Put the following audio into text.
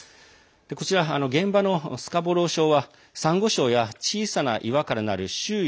こちら現場のスカボロー礁はさんご礁や小さな岩からなる周囲